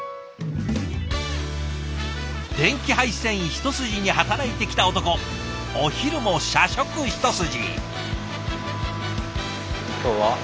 電気配線一筋に働いてきた男お昼も社食一筋。